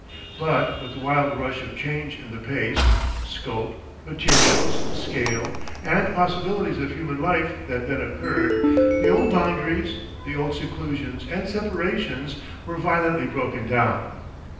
But with the wild rush of change in the pace, scope, materials, scale, and possibilities of human life that then occurred, the old boundaries, the old seclusions and separations were violently broken down.